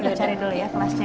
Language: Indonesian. yuk cari dulu ya kelasnya ya